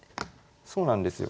そうなんですよ。